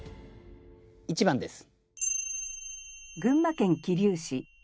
１番です。